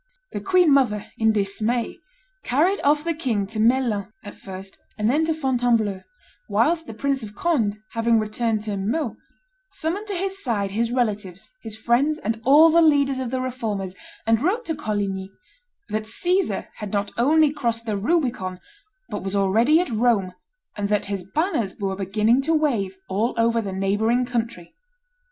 The queen mother, in dismay, carried off the king to Melun at first, and then to Fontainebleau, whilst the Prince of Conde, having retired to Meaux, summoned to his side his relatives, his friends, and all the leaders of the Reformers, and wrote to Coligny, "that Caesar had not only crossed the Rubicon, but was already at Rome, and that his banners were beginning to wave all over the neighboring country."